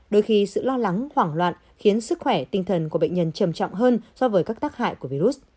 đôi khi sự lo lắng hoảng loạn khiến sức khỏe tinh thần của bệnh nhân trầm trọng hơn so với các tác hại của virus